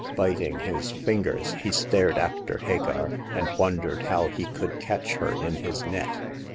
Biting his fingers, he stared after Hagar, and wondered how he could catch her in his net.